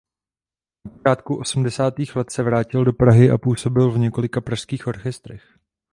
Na počátku osmdesátých let se vrátil do Prahy a působil v několika pražských orchestrech.